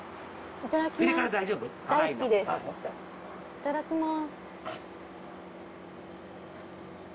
いただきます。